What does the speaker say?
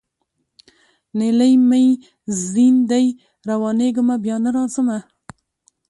نیلی مي ځین دی روانېږمه بیا نه راځمه